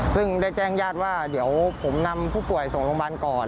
ซึ่งได้แจ้งญาติว่าเดี๋ยวผมนำผู้ป่วยส่งโรงพยาบาลก่อน